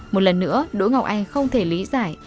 một lần nữa đỗ ngọc anh không thể lý giải